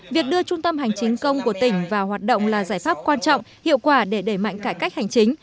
việc đưa trung tâm hành chính công của tỉnh vào hoạt động là giải pháp quan trọng hiệu quả để đẩy mạnh cải cách hành chính